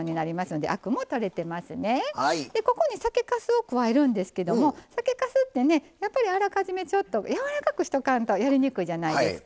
でここに酒かすを加えるんですけども酒かすってねやっぱりあらかじめやわらかくしとかんとやりにくいじゃないですか。